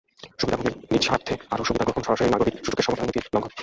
সুবিধাভোগীর নিজ স্বার্থে আরও সুবিধা গ্রহণ সরাসরি নাগরিক সুযোগের সমতার নীতির লঙ্ঘন।